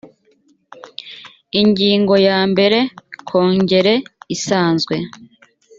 ingingo ya mbere kongere isanzwe